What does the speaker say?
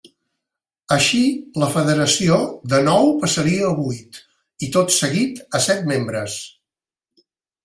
Així la federació de nou passaria a vuit i tot seguit a set membres.